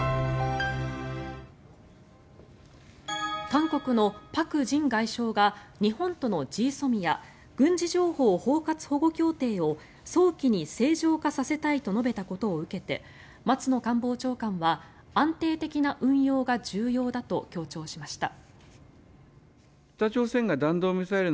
韓国のパク・ジン外相が日本とのＧＳＯＭＩＡ・軍事情報包括保護協定を早期に正常化させたいと述べたことを受けて松野官房長官は安定的な運用が重要だと強調しました。